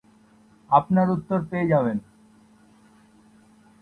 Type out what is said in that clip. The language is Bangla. আপনার উত্তর পেয়ে যাবেন!